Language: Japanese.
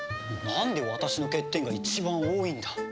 なんで私の欠点が一番多いんだ。